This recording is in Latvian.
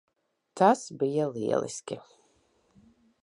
Tas bija lieliski.